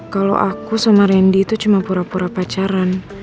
kalau aku sama randy itu cuma pura pura pacaran